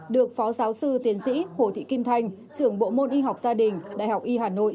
được phó giáo sư tiến sĩ hồ thị kim thanh trưởng bộ môn y học gia đình đại học y hà nội